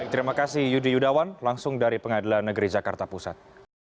terima kasih yudi yudawan langsung dari pengadilan negeri jakarta pusat